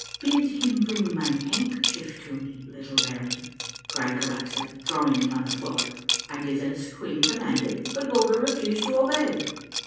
" Bid him bring my handkerchief to me, little baron," cried Galaxa, throwing it on the floor. I did as the queen commanded, but Bulger refused to obey.